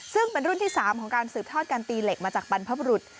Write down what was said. ซึ่งเป็นรุ่นที่๓ของการสืบทอดการตีเหล็กมาจากบรรพบรุษ